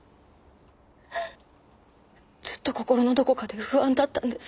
ずっと心のどこかで不安だったんです。